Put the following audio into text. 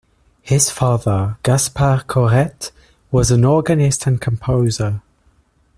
His father, Gaspard Corrette, was an organist and composer.